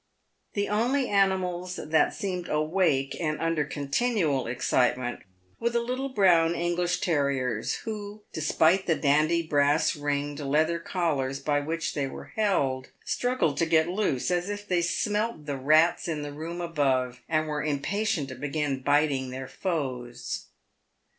The only animals that seemed awake, and under continual excitement, were the little brown English terriers, who, despite the dandy brass ringed leather collars by which they were held, struggled to get loose, as if they smelt the rats in the room above, and were impatient to begin biting their foes.